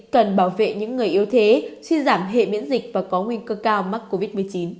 cần bảo vệ những người yếu thế suy giảm hệ miễn dịch và có nguy cơ cao mắc covid một mươi chín